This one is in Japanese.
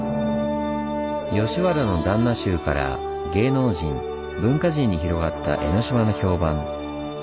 吉原の旦那衆から芸能人文化人に広がった江の島の評判。